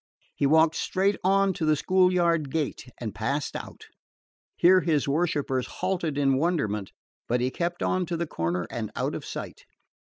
He walked straight on to the schoolyard gate and passed out. Here his worshipers halted in wonderment, but he kept on to the corner and out of sight.